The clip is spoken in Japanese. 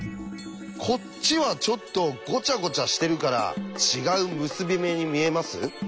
こっちはちょっとごちゃごちゃしてるから違う結び目に見えます？